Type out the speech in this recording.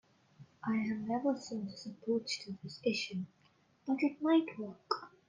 I have never seen this approach to this issue, but it might work.